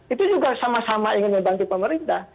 itu juga sama sama ingin membantu pemerintah